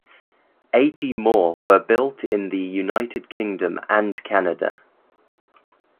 Eighty more were built in the United Kingdom and Canada.